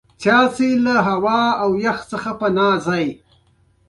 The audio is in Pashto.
دی پر ډونډي خان باندي ډېر زیات اعتماد لري.